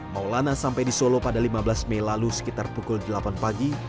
maulana sampai di solo pada lima belas mei lalu sekitar pukul delapan pagi